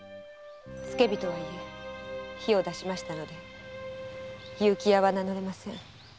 付け火とはいえ火を出しましたので結城屋は名乗れません。